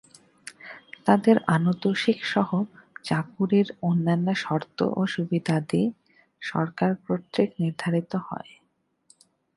তাদের আনুতোষিকসহ চাকুরির অন্যান্য শর্ত ও সুবিধাদি সরকার কর্তৃক নির্ধারিত হয়।